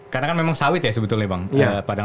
karena kan memang sawit ya sebetulnya bang